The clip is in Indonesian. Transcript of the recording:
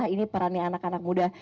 ini perannya anak anak muda